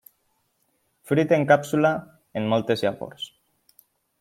Fruit en càpsula amb moltes llavors.